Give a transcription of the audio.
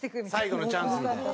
最後のチャンスみたいな。